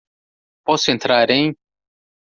Posso entrar em?